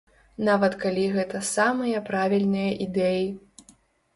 Нават калі гэта самыя правільныя ідэі.